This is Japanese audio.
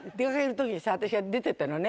私が出てったのね